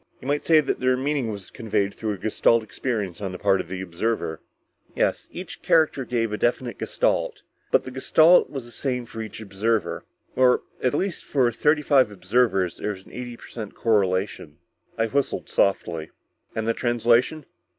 You might say that their meaning was conveyed through a Gestalt experience on the part of the observer." "Yes, each character gave a definite Gestalt. But, the Gestalt was the same for each observer. Or at least for thirty five observers there was an eighty per cent correlation." I whistled softly. "And the translation?"